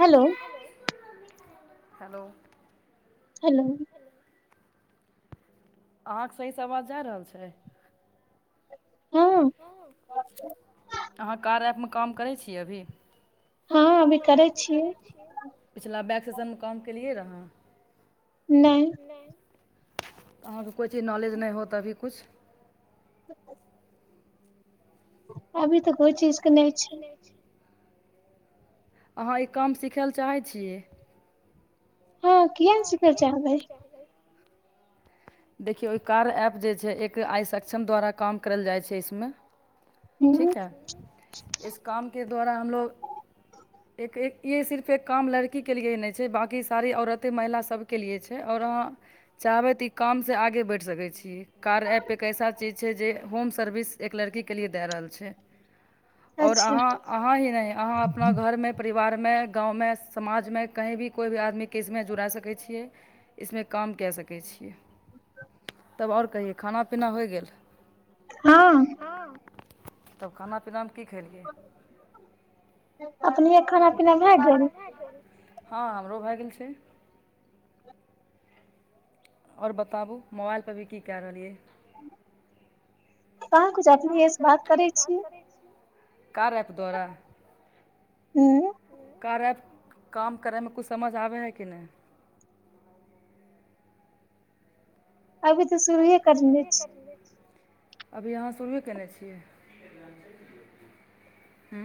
hello hello hello आओर सहीसँ आवाज जा रहल छै हँ अहाँ कार ऐपमे काम करै छियैअभी हँ अभी करै छियै पिछिला बैक सेशन मे काम केलियै रह नय नय त अहाँके कोइ चीज नॉलेज नय होत अभी कुछ अभी तऽ कोइ चीज के नहि छै [unintelligible] अहाँ ई काम सिखै लए चाहै छीयै ह किया न सिखै चाहबै [inaudible] देखियौ ई कार ऐप जे छै एक आइ सक्षम द्वारा काम करल जाइ छै इसमे ह [unintelligible] एक एक ये सिर्फ एक काम लड़की के लियेही नय छै बांकी सारी औरत ते महिला सभके लिए छै आओर अहाँ चाहबै तऽ ई काम से आगे बैढ़ि सकै छी कार ऐप एक ऐसा चीज छै जे होम सर्विस एक लड़की के लिए दए रहल छै [inaudible] आओर अच्छा अहाँ अहाँ ही नय अहाँ अपना घर मे परिवार मे गाँंव मे समाज मे कही भी कोइ भी आदमी किसमे जा जुड़ा सकै छियै इसमे काम कए सकै छियै तब आओर कहियौ खाना पीना होइ गेल हँ हं तब खाना पीना मे की खेलियै अपनीये अखनाय पिनाय भय गेल हँ हमरो भए गेल छै आओर बताबू मोबाइलपर भी की कए रहलियै कहां कुछ अपनिय सँ बात करै छीय कार ऐप द्वारा ह कार ऐप काम करैमे कुछ समझ आबै हे कि नय अभी तऽ शुरुए अभी त करने सुरुये छी करले छियै अभी आहाँ शुरूए केने छियै हूं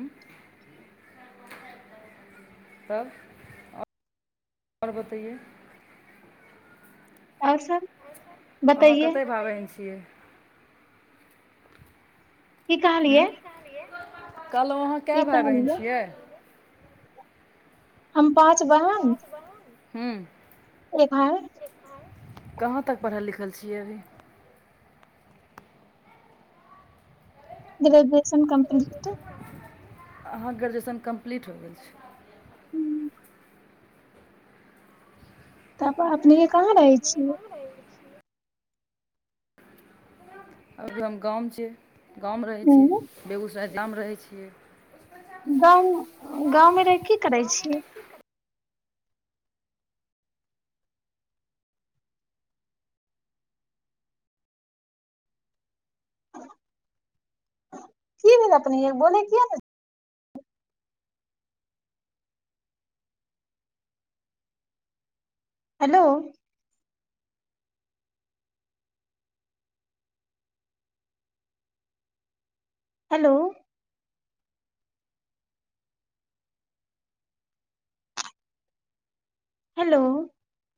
तब आओर बतैयै आओर सब अहाँ बतैये कतय भाय बहिन छियै की कहलियै हूँ कहलहुँ अहाँ की कए भाय बहिन कहलियै छियै हम पाँच हम पांच बहिन हूं आओर भाय कहाँ तक पढ़ल लिखल छियै ग्रेजुएशन कम्प्लीट अहाँ ग्रेजुएशन कम्प्लीट हो गेल छै हूँ, त प अपने कहाँ रहै न छियै कह रह [unintelligible] अभी हम गाम छ गाँवमे रहै छी हूँ, बेगूसराय गमे रहै छियै गाँव गाँव मे रहि की करै छीयै की भेल अपने यै बोलै किया हेलो हेलो हेलो